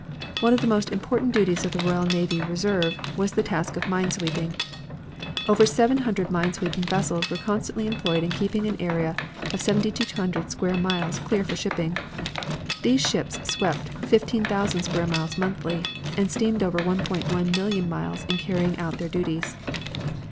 One of the most important duties of the Royal Naval Reserve was the task of mine sweeping. Over seven hundred mine sweeping vessels were constantly employed in keeping an area of 7,200 square miles clear for shipping. These ships swept 15,000 square miles monthly, and steamed over 1,100,000 miles in carrying out their duties.